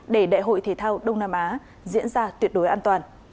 để đại hội thể thao đông nam á diễn ra tuyệt đối an toàn